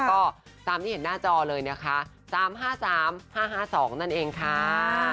ก็ตามที่เห็นหน้าจอเลยนะคะ๓๕๓๕๕๒นั่นเองค่ะ